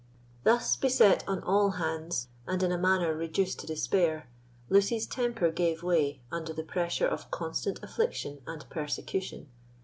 Thus beset on all hands, and in a manner reduced to despair, Lucy's temper gave way under the pressure of constant affliction and persecution.